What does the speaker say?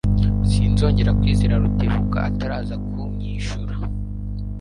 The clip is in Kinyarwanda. Sinzongera kwizera Rutebuka ataraza ku myishura.